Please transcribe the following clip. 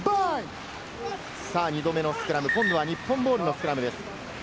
２度目のスクラム、今度は日本ボールのスクラムです。